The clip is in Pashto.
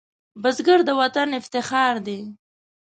بزګر د وطن افتخار دی